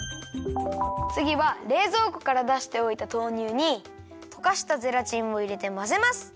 つぎはれいぞうこからだしておいた豆乳にとかしたゼラチンをいれてまぜます。